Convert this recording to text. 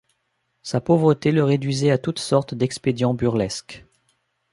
Sa pauvreté le réduisait à toutes sortes d’expédients burlesques.